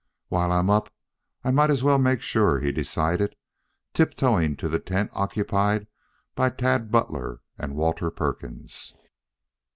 While I'm up I might as well make sure," he decided, tip toeing to the tent occupied by Tad Butler and Walter Perkins.